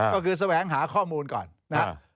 ก็คือแสวงหาข้อมูลก่อนนะครับ